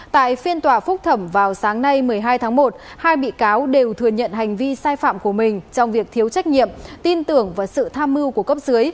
tại phiên tòa phúc thẩm vào sáng nay một mươi hai tháng một hai bị cáo đều thừa nhận hành vi sai phạm của mình trong việc thiếu trách nhiệm tin tưởng vào sự tham mưu của cấp dưới